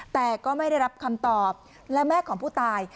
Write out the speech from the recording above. แต่ก็ไม่ได้รับคำตอบและแม่ของผู้ตาย